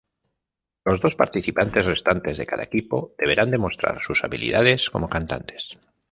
Los dos participantes restantes de cada equipo deberán demostrar sus habilidades como cantantes.